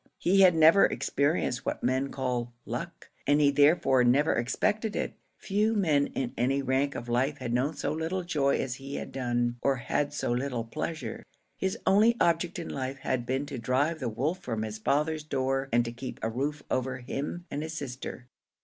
He had never experienced what men called luck, and he therefore never expected it. Few men in any rank of life had known so little joy as he had done, or had so little pleasure; his only object in life had been to drive the wolf from his father's door and to keep a roof over him and his sister.